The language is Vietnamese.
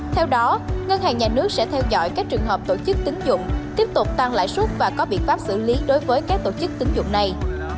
theo đó ngân hàng nhà nước sẽ theo dõi các trường hợp tổ chức tính dụng tiếp tục tăng lãi suất và có biện pháp xử lý đối với các tổ chức tính dụng này